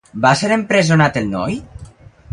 Va ser empresonat el noi?